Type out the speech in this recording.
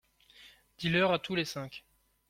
Dis-leur à tous les cinq.